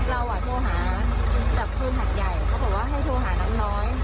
เราโทรหาดับเพลิงหัดใหญ่เขาบอกว่าให้โทรหาน้ำน้อย